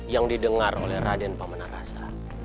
yang didengar oleh raden pamanarasa